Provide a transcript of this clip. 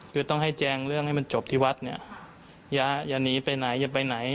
คือต้องให้แจ้งเรื่องให้มันจบที่วัดเนี่ยอย่าหนีไปไหนอย่าไปไหน